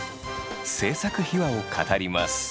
制作秘話を語ります。